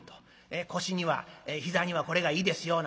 腰には膝にはこれがいいですよなんてね